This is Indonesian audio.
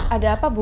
ada apa bu